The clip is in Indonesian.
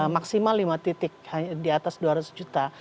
maksimal lima titik di atas dua ratus juta